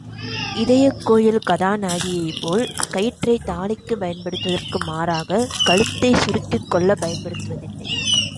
இதயக்கோயில் கதாநாயகியைப் போல் கயிற்றைத் தாலிக்குப் பயன்படுத்துவதற்கு மாறாகக் கழுத்தைச் சுருக்கிக் கொள்ளப் பயன்படுத்துவதில்லை.